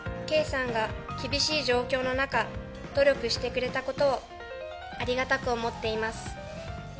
圭さんが厳しい状況の中、努力してくれたことをありがたく思っています。